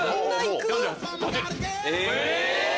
え⁉